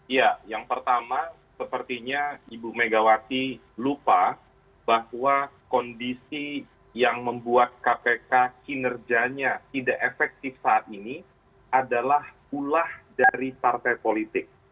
ya yang pertama sepertinya ibu megawati lupa bahwa kondisi yang membuat kpk kinerjanya tidak efektif saat ini adalah ulah dari partai politik